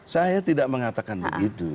saya tidak mengatakan begitu